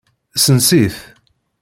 Sens-it.